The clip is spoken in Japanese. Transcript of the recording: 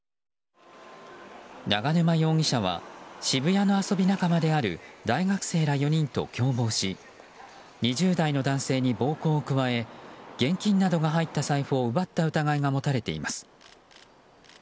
永沼容疑者は渋谷の遊び仲間である大学生ら４人と共謀し２０代の男性に暴行を加え現金などが入った財布を奪った疑いが持たれています。